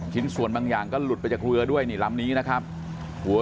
ชิ้นส่วนบางอย่างก็หลุดไปจากเรือด้วยนี่ลำนี้นะครับหัว